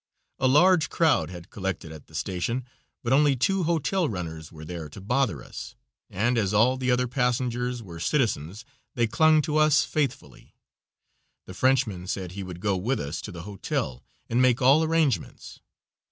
A large crowd had collected at the station, but only two hotel runners were there to bother us, and as all the other passengers were citizens they clung to us faithfully. The Frenchman said he would go with us to the hotel and make all arrangements.